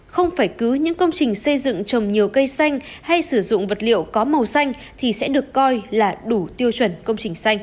không phải cứ những công trình xây dựng trồng nhiều cây xanh hay sử dụng vật liệu có màu xanh thì sẽ được coi là đủ tiêu chuẩn công trình xanh